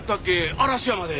嵐山で。